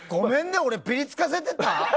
俺、ぴりつかせてた？